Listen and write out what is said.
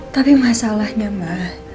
tapi masalahnya ma